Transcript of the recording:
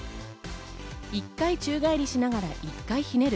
１回宙返りしながら１回ひねる